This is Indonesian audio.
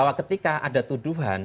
bahwa ketika ada tuduhan